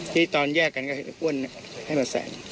ที่ตอนแยกกันก็เห็นอ้วนให้มาแสน